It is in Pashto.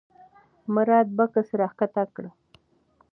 مراد بکس راښکته کړ.